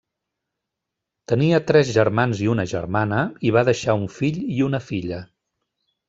Tenia tres germans i una germana i va deixar un fill i una filla.